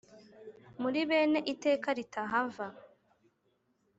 muri bene iteka ritahava,